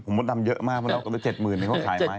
ผมมดดำเยอะมากเพราะว่า๗หมื่นไม่ว่าขายไหม